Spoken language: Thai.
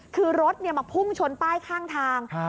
คือรถมาพุ่งชนป้ายข้างทาง